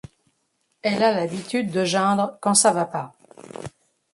Elle a l'habitude de geindre quand ça va pas.